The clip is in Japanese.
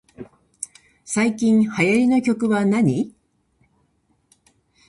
最近流行りの曲はなに